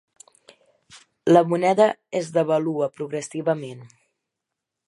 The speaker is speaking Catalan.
La moneda es devalua progressivament.